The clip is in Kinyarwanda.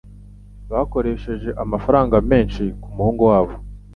Bakoresheje amafaranga menshi kumuhungu wabo.